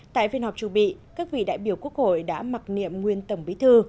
tại phiên họp chủ bị các vị đại biểu quốc hội đã mặc niệm nguyên tổng bí thư